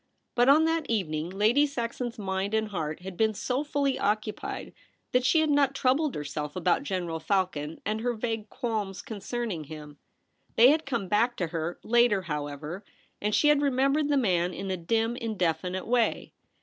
But on that evening Lady Saxon's mind and heart had been so fully occupied that she had not troubled her self about General Falcon and her vague qualms concerning him. They had come back to her later, however, and she had re membered the man In a dim, indefinite way.